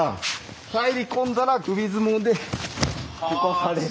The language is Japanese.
入り込んだら首相撲でこかされる。